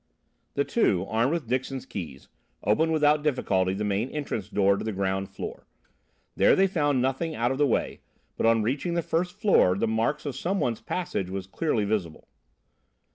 The two, armed with Dixon's keys, opened without difficulty the main entrance door to the ground floor. There they found nothing out of the way, but on reaching the first floor, the marks of some one's passage was clearly visible.